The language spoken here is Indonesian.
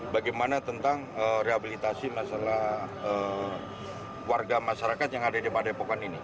bagaimana tentang rehabilitasi masalah warga masyarakat yang ada di padepokan ini